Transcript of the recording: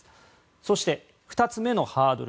そして２つ目のハードル